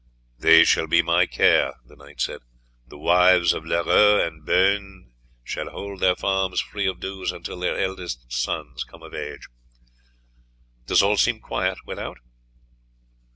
"They shall be my care," the knight said. "The wives of Leroix and Beaune shall hold their farms free of dues until their eldest sons come of age. Does all seem quiet without?"